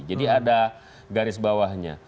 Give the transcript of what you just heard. jadi ada garis bawahnya